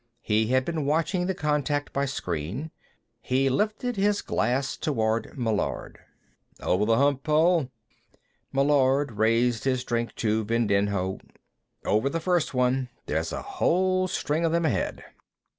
He had been watching the contact by screen. He lifted his glass toward Meillard. "Over the hump, Paul?" Meillard raised his drink to Vindinho. "Over the first one. There's a whole string of them ahead.